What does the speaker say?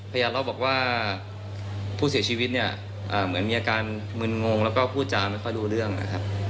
ยาเล่าบอกว่าผู้เสียชีวิตเนี่ยเหมือนมีอาการมึนงงแล้วก็พูดจาไม่ค่อยรู้เรื่องนะครับ